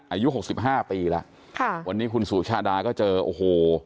อายุหกสิบห้าปีแล้วค่ะวันนี้คุณสุชาดาก็เจอโอ้โห